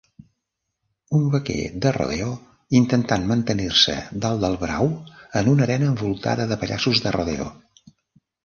Un vaquer de rodeo intentant mantenir-se dalt del brau en una arena envoltada de pallassos de rodeo.